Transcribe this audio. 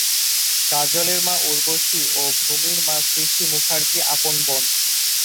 কাজলের মা উর্বশী ও ভূমির মা সৃষ্টি মুখার্জী আপন বোন।